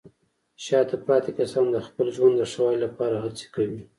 شاته پاتې کسان د خپل ژوند د ښه والي لپاره هڅې کوي.